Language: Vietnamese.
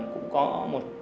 cũng có một